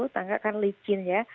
tangga kan licin ya